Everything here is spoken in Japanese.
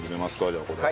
じゃあこれを。